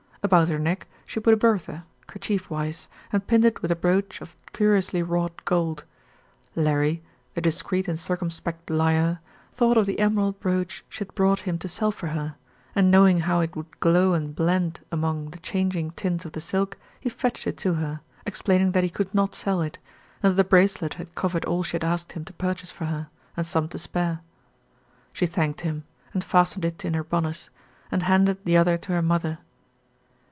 About her neck she put a bertha, kerchiefwise, and pinned it with a brooch of curiously wrought gold. Larry, "the discreet and circumspect liar," thought of the emerald brooch she had brought him to sell for her, and knowing how it would glow and blend among the changing tints of the silk, he fetched it to her, explaining that he could not sell it, and that the bracelet had covered all she had asked him to purchase for her, and some to spare. She thanked him, and fastened it in her bodice, and handed the other to her mother.